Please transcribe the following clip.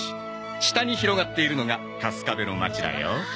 下に広がっているのが春我部の町だよ。